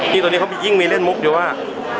นี่ตรงนี้เค้ายิ่งมีเล่นมุกดูว่า